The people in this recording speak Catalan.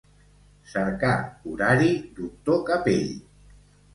Cercar horari doctor Capell.